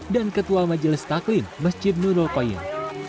dan ketua majelis taklim masjid nurul qayyam